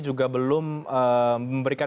juga belum memberikan